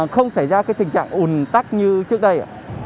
không xảy ra tình trạng ủn tắc như trước đây